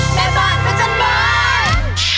แม่บ้านขจรบอด